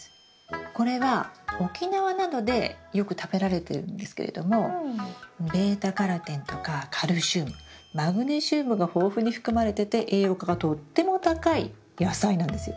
これは沖縄などでよく食べられてるんですけれどもβ−カロテンとかカルシウムマグネシウムが豊富に含まれてて栄養価がとっても高い野菜なんですよ。